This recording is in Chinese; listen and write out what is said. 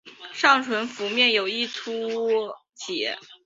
上唇腹面有一突起。